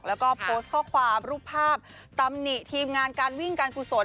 แล้วก็โพสต์ข้อความรูปภาพตำหนิทีมงานการวิ่งการกุศล